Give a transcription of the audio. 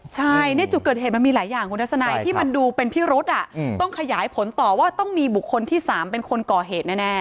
ใช่ในจุดเกิดเหตุมันมีหลายอย่างคุณทัศนัยที่มันดูเป็นพิรุษต้องขยายผลต่อว่าต้องมีบุคคลที่๓เป็นคนก่อเหตุแน่